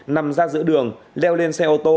nằm ra giữa đường leo lên xe ô tô